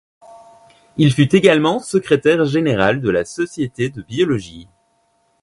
Il fut également secrétaire général de la Société de Biologie.